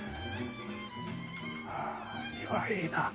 ああ庭いいな。